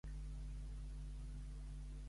Com se li va presentar Manannán al rei Cormac?